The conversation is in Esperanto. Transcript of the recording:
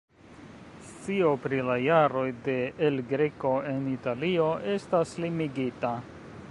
Scio pri la jaroj de El Greco en Italio estas limigita.